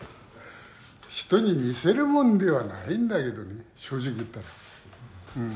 人に見せるもんではないんだけどね正直言ったら。